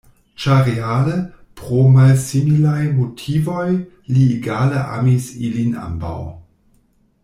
Ĉar reale, pro malsimilaj motivoj, li egale amis ilin ambaŭ.